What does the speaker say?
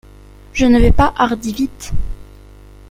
Je ne vais pas hardi vite.